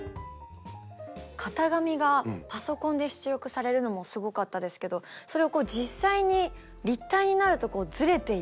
型紙がパソコンで出力されるのもすごかったですけどそれを実際に立体になるとずれている。